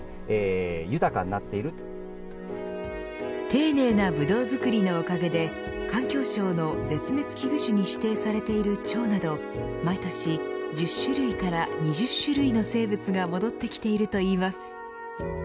丁寧のブドウ作りのおかげで環境省の絶滅危惧種に指定されているチョウなど毎年１０種類から２０種類の生物が戻ってきているといいます。